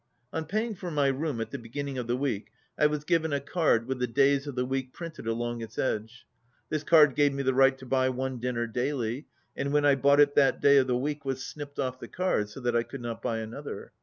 On paying for my room at the beginning of the week I was given a card with Che days of the week printed along its edge. This card gave me the right to buy one dinner daily, and when I bought it that day of the week was snipped off the card so that I could not buy another.